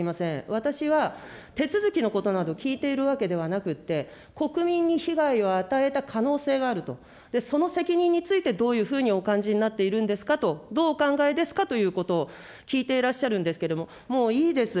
私は、手続きのことなど聞いているわけではなくて、国民に被害を与えた可能性があると、その責任について、どういうふうにお感じになっているんですかと、どうお考えですかということを聞いていらっしゃるんですけれども、もういいです。